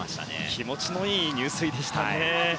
気持ちのいい入水でした。